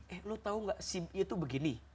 eh lo tau gak si b itu begini